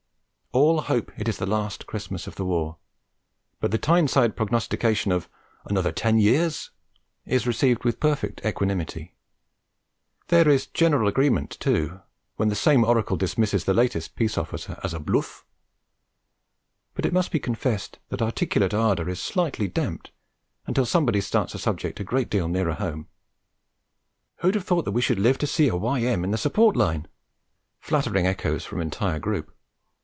All hope it is the last Christmas of the war, but the Tyneside prognostication of 'anothaw ten yeaws' is received with perfect equanimity. There is general agreement, too, when the same oracle dismisses the latest peace offer as 'blooff.' But it must be confessed that articulate ardour is slightly damped until somebody starts a subject a great deal nearer home. 'Who'd have thought that we should live to see a Y.M. in the support line!' Flattering echoes from entire group.